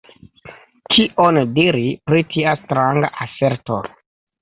Kion diri pri tia stranga aserto?